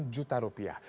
empat sembilan juta rupiah